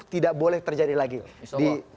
tidak boleh terjadi lagi di